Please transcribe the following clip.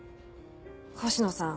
星野さん